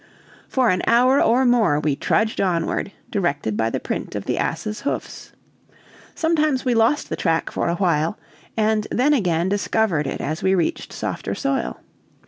For an hour or more we trudged onward, directed by the print of the ass's hoofs. Sometimes we lost the track for a while, and then again discovered it as we reached softer soil.